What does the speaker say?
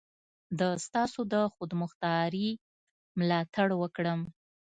د ستاسو د خودمختاري ملاتړ وکړم.